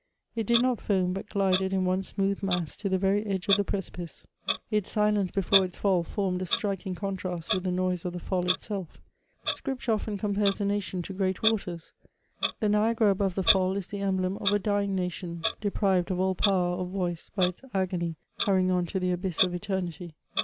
It did not foam, but glided in one smooth mass to the very edge of the precipice. Its silence before its fall formed a striking contrast with the noise of the fall itself. Scripture often compares a nation to g^at waters ; the Niagara above the Fall is the emblem of a dying nation, deprived of all power of voice by its agony, hurrying on to the abyss of eternity.